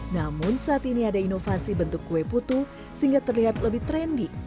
namun saat ini ada inovasi bentuk kue putu sehingga terlihat lebih trendy